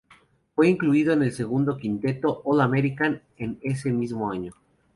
Fue incluido en el segundo quinteto All-American de ese mismo año.